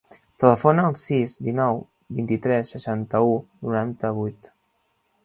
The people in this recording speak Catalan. Telefona al sis, dinou, vint-i-tres, seixanta-u, noranta-vuit.